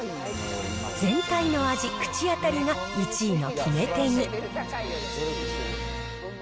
全体の味、口当たりが１位の決め手に。